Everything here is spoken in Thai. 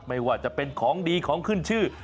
ไม่ว่าจะเป็นของดีของขึ้นชื่อ